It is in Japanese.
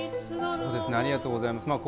そうですね、ありがとうございます。